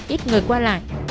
ít người qua lại